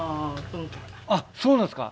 あっそうなんですか。